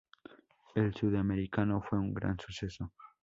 El Sudamericano fue un gran suceso.